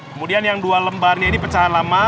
kemudian yang dua lembarnya ini pecahan lama